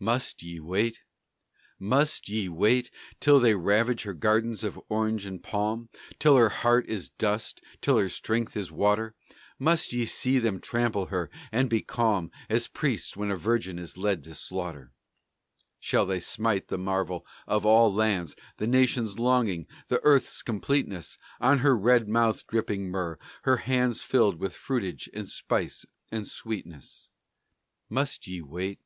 Must ye wait? Must ye wait, Till they ravage her gardens of orange and palm, Till her heart is dust, till her strength is water? Must ye see them trample her, and be calm As priests when a virgin is led to slaughter? Shall they smite the marvel of all lands, The nation's longing, the Earth's completeness, On her red mouth dropping myrrh, her hands Filled with fruitage and spice and sweetness? Must ye wait?